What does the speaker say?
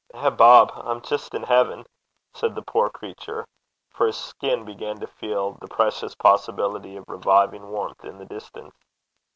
'Eh, Bob, I'm jist in haven!' said the poor creature, for his skin began to feel the precious possibility of reviving warmth in the distance.